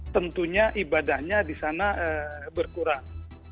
tentunya ibadahnya di sana berkurang